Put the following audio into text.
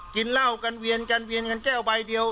กินเหล้ากันเวียนกันเวียนกันแก้วใบเดียว